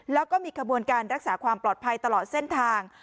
แล้วก็มีขบวนการรักษาความปลอดภัยตลอดเส้นทาง